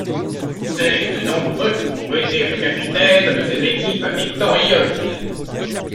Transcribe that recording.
Sept d'entre eux ont été le capitaine de ces équipes victorieuses.